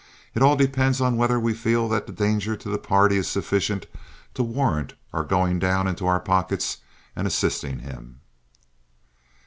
It all depends on whether we feel that the danger to the party is sufficient to warrant our going down into our pockets and assisting him."